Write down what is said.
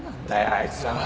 あいつらは。